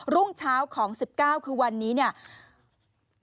รุ่งเช้าของ๑๙คือวันนี้เนี่ย